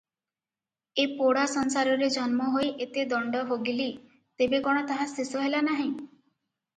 ଏ ପୋଡ଼ା ସଂସାରରେ ଜନ୍ମ ହୋଇ ଏତେଦଣ୍ଡ ଭୋଗିଲି ତେବେ କଣ ତାହା ଶେଷ ହେଲା ନାହିଁ ।